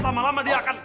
lama lama dia akan